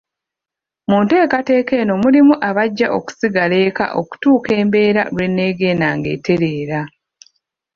Mu nteekateka eno mulimu abajja okusigala eka okutuuka embeera lwe neegenda ng'etereera.